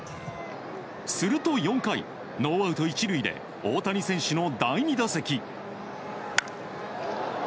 すると、４回ノーアウト１塁で大谷選手の第２打席。